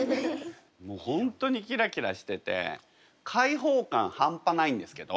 もう本当にキラキラしてて解放感半端ないんですけど。